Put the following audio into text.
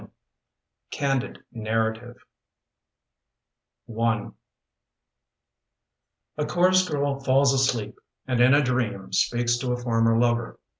CANDID NARRATIVE A chorus girl falls asleep and, in a dream, speaks to a former lover.